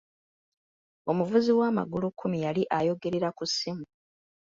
Omuvuzi wa magulu kkumi yali ayogerera ku ssimu.